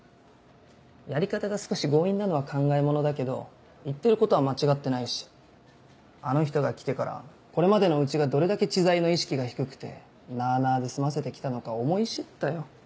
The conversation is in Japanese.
やり方が少し強引なのは考えものだけど言ってることは間違ってないしあの人が来てからこれまでのうちがどれだけ知財の意識が低くてなあなあで済ませてきたのか思い知ったよ。